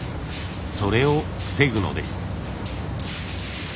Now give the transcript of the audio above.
それを防ぐのです。